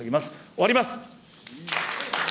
終わります。